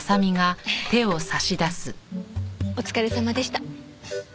お疲れさまでした。